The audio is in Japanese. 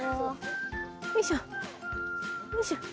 よいしょよいしょ。